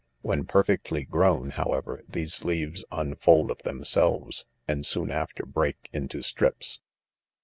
When perfectly grown, however, these leaves unfold of themselves., and soon after break into strips.